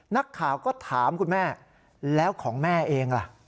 นักข่าวก็ถามคุณแม่แล้วของแม่เองล่ะ